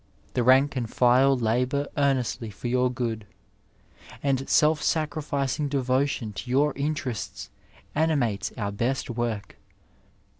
The rank and file labour earnestly for your good, and self sacrificing devotion to yonr interests animates onr best work.